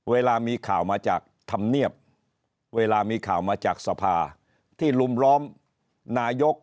เวลามีข่าวมาจากธรรมเนียบเวลามีข่าวมาจากสภาที่ลุมล้อมนายก